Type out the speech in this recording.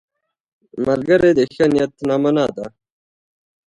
ملګری د ښه نیت نمونه ده